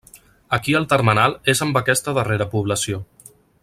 Aquí el termenal és amb aquesta darrera població.